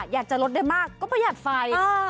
อยากจะลดได้มากก็ประหยัดไฟ